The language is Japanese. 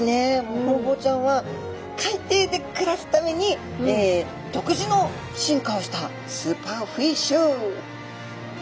ホウボウちゃんは海底で暮らすために独自の進化をしたスーパーフィッシュということが言えますね。